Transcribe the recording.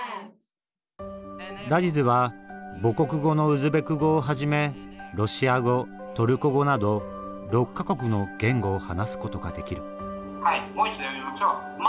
ラジズは母国語のウズベク語をはじめロシア語トルコ語など６か国の言語を話すことができる「はいもう一度読みましょう。